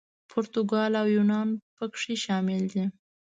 پرتګال او یونان پکې شامل دي.